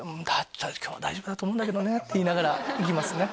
「今日大丈夫だと思うんだけどね」って言いながら行きますね